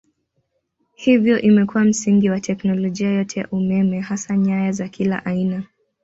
Hivyo imekuwa msingi wa teknolojia yote ya umeme hasa nyaya za kila aina.